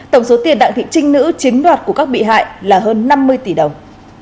tổng số tiền đặng thị trinh nữ chiếm đoạt của các bị hại là hơn năm mươi tỷ đồng